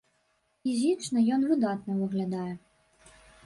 Фізічна ён выдатна выглядае.